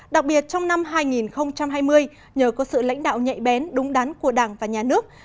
đặc biệt trong năm hai nghìn hai mươi nhờ có sự lãnh đạo nhạy bén đúng đắn của đảng và nhà nước